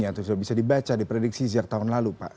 atau sudah bisa dibaca di prediksi sejak tahun lalu pak